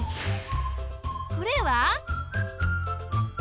これは？